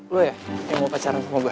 lo ya yang mau pacaran sama gue